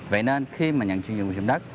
vậy nên khi nhận chuyển nhận dụng đất